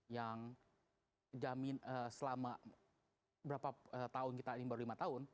yang jamin selama berapa tahun kita ini baru lima tahun